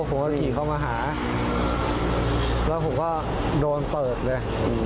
ผมก็ขี่เข้ามาหาแล้วผมก็โดนเปิดเลย